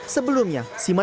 sebelumnya sima nusantara